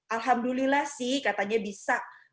alhamdulillah sih katanya bisa